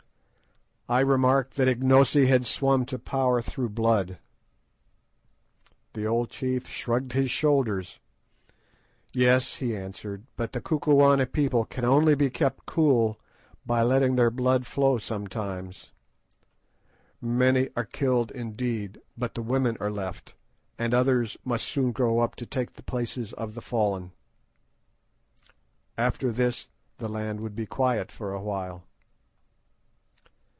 I remarked that Ignosi had swum to power through blood. The old chief shrugged his shoulders. "Yes," he answered; "but the Kukuana people can only be kept cool by letting their blood flow sometimes. Many are killed, indeed, but the women are left, and others must soon grow up to take the places of the fallen. After this the land would be quiet for a while."